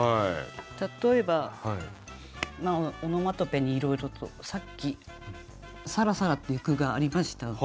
例えばオノマトペにいろいろとさっき「さらさら」っていう句がありました。